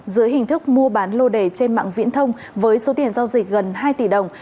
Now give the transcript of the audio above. dưới hình thức mua bán lô đề trên mạng viễn thông với số tiền giao dịch gần hai tỷ đồng